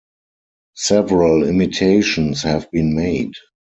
Several imitations have been made.